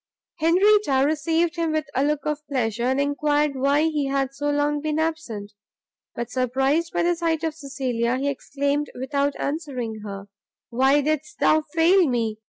Henrietta received him with a look of pleasure, and enquired why he had so long been absent; but, surprised by the sight of Cecilia, he exclaimed, without answering her, "why didst thou fail me?